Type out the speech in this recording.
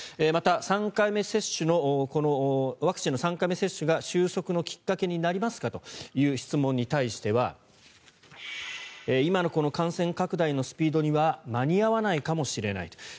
また、ワクチンの３回目接種が収束のきっかけになりますか？という質問に対しては今のこの感染拡大のスピードには間に合わないかもしれないと。